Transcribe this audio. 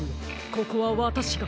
ここはわたしが。